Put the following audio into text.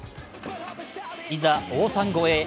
いざ、王さん超えへ。